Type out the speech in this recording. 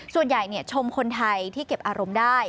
ส่วนใหญ่ชมคนไทยที่เก็บอารมณ์ได้